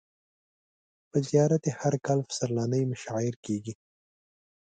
په زیارت یې هر کال پسرلنۍ مشاعر کیږي.